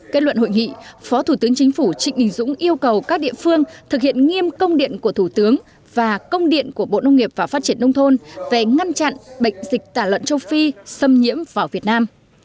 kết luận hội nghị phó thủ tướng chính phủ trịnh đình dũng yêu cầu các địa phương thực hiện nghiêm công điện của thủ tướng và công điện của bộ nông nghiệp và phát triển nông thôn về ngăn chặn bệnh dịch tả lợn châu phi xâm nhiễm vào việt nam